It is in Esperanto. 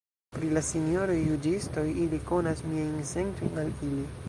Pri la sinjoroj juĝistoj, ili konas miajn sentojn al ili.